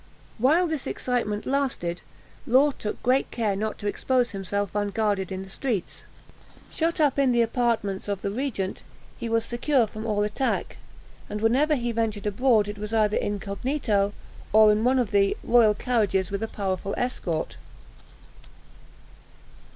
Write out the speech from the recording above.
While this excitement lasted, Law took good care not to expose himself unguarded in the streets. Shut up in the apartments of the regent, he was secure from all attack; and whenever he ventured abroad, it was either incognito, or in one of the royal carriages, with a powerful escort.